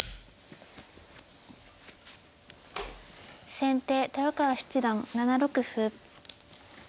先手豊川七段７六歩。